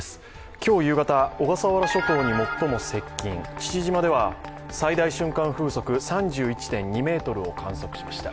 今日夕方、小笠原諸島に最も接近父島では最大瞬間風速３１．２メートルを観測しました。